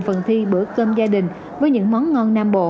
phần thi bữa cơm gia đình với những món ngon nam bộ